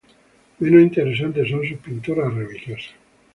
Menos interesantes son sus pinturas religiosas.